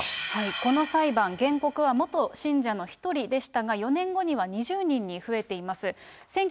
この裁判、原告は元信者の１人でしたが、４年後には２０人に増えています。